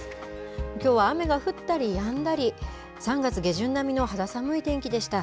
きょうは雨が降ったりやんだり、３月下旬並みの肌寒い天気でした。